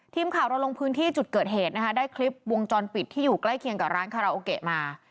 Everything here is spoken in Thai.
ทีมข่าวเราลงพื้นที่จุดเกิดเหตุนะคะได้คลิปวงจรปิดที่อยู่ใกล้เคียงกับร้านคาราโอเกะมา